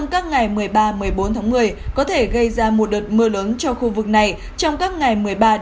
các ngày một mươi ba một mươi bốn một mươi có thể gây ra một đợt mưa lớn cho khu vực này trong các ngày một mươi ba một mươi năm một mươi